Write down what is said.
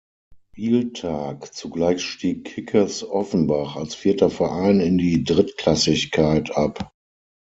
Spieltag, zugleich stieg Kickers Offenbach als vierter Verein in die Drittklassigkeit ab.